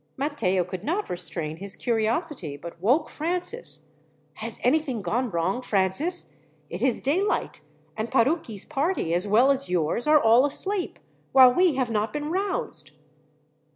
Matteo could not restrain his curiosity, but woke Francis: "Has anything gone wrong, Francis? It is daylight, and Parucchi's party, as well as yours, are all asleep, while we have not been roused!"